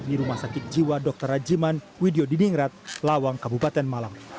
di jiwa dr rajiman widyo diningrat lawang kabupaten malang